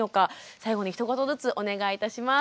最後にひと言ずつお願いいたします。